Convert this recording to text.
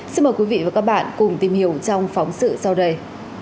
xin mời quý vị và các bạn cùng tìm hiểu trong phóng sự sau đây